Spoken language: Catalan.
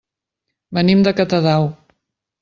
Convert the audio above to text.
Venim de Catadau.